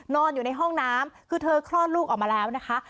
นอนอยู่ในห้องน้ำคือเธอคลอดลูกออกมาแล้วนะคะ